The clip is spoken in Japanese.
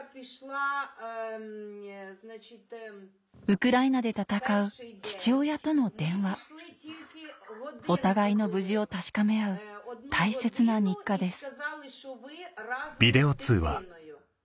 ウクライナで戦う父親との電話お互いの無事を確かめ合う大切な日課です